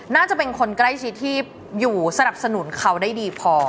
น่าจะเป็นคนใกล้ชิดที่อยู่สนับสนุนเขาได้ดีพอ